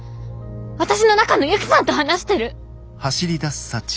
私の中のユキさんと話してる！